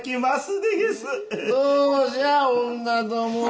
どうじゃ女ども。